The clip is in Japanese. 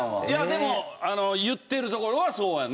でも言ってるところはそうやんな。